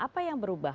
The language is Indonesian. apa yang berubah